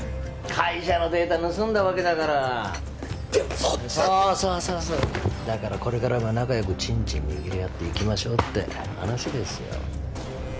会社のデータ盗んだわけだからでもそっちだってそうそうそうそうだからこれからも仲よくチンチン握り合っていきましょうって話ですよ